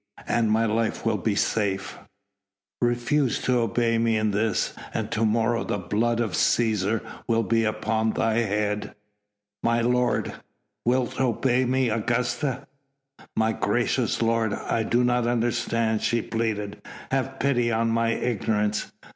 and my life will be safe.... Refuse to obey me in this and to morrow the blood of Cæsar will be upon thy head...." "My lord...." "Wilt obey me, Augusta?" "My gracious lord ... I do not understand," she pleaded; "have pity on my ignorance